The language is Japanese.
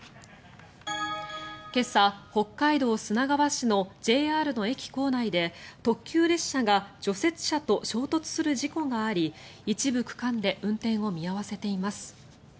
今朝、北海道砂川市のＪＲの駅構内で特急列車が除雪車と衝突する事故があり一部区間で運転を見合わせています。